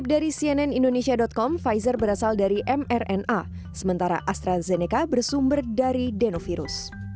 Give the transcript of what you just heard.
dari cnn indonesia com pfizer berasal dari mrna sementara astrazeneca bersumber dari denovirus